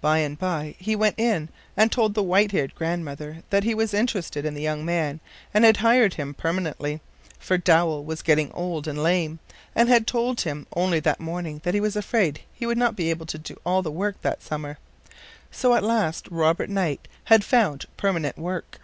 By and by he went in and told the white haired grandmother that he was interested in the young man and had hired him permanently, for Dowell was getting old and lame, and had told him only that morning that he was afraid he would not be able to do all the work that summer. So, at last, Robert Knight had found permanent work.